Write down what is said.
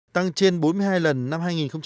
tăng trên bốn mươi hai lần năm hai nghìn bốn